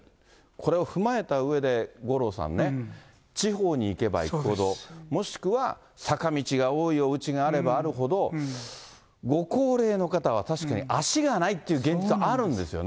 これを踏まえたうえで五郎さんね、地方に行けば行くほど、もしくは、坂道が多いおうちがあればあるほど、ご高齢の方は、確かに足がないって現実はあるんですよね。